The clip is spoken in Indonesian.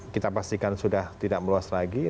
kita pastikan sudah tidak meluas lagi